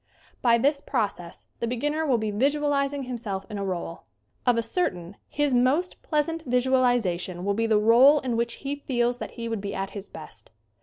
By this process the beginner will be visual izing himself in a role. Of a certain his most pleasant visualization will be the role in which he feels that he would be at his best.